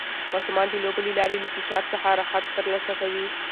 ماشومان د لوبو له لارې له فشار څخه راحت ترلاسه کوي.